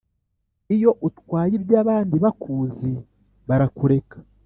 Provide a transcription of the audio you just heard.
Iyo utwaye iby'abandi bakuzi barakureka